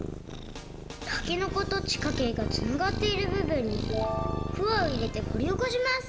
たけのこと地下茎がつながっている部分にくわをいれてほりおこします！